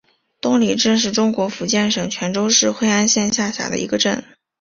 东岭镇是中国福建省泉州市惠安县下辖的一个镇。